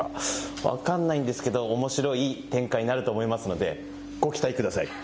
分からないんですけどおもしろい展開になると思いますのでご期待ください。